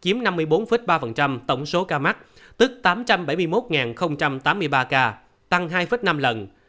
chiếm năm mươi bốn ba tổng số ca mắc tức tám trăm bảy mươi một tám mươi ba ca tăng hai năm lần